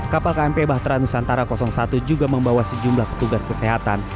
kapal kmp bahtera nusantara satu juga membawa sejumlah petugas kesehatan